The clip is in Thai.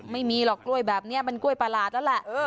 ไม่มีหรอกกล้วยแบบเนี่ยมันกล้วยปลาลาดแล้วล่ะ